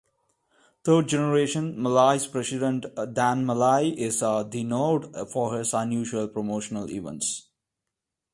Third generation Malley's president, Dan Malley, is renowned for his unusual promotional events.